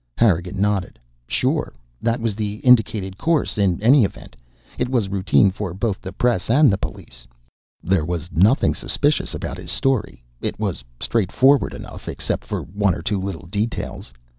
Harrigan nodded. "Sure. That was the indicated course, in any event. It was routine for both the press and the police. There was nothing suspicious about his story; it was straightforward enough, except for one or two little details.